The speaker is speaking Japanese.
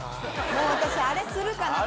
もう私あれするかなと。